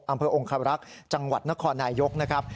อำเภอองคารักษ์จังหวัดนครนายกนะครับ